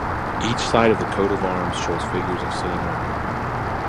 Each side of the coat of arms shows figures of sitting women.